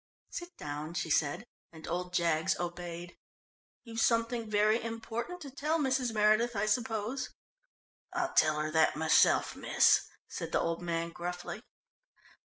"Sit down," she said, and old Jaggs obeyed. "You've something very important to tell Mrs. Meredith, I suppose." "I'll tell her that myself, miss," said the old man gruffly.